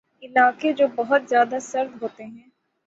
علاقے جو بہت زیادہ سرد ہوتے ہیں